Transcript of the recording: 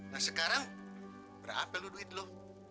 nah sekarang berapa lo duit lo